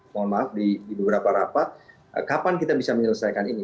mohon maaf di beberapa rapat kapan kita bisa menyelesaikan ini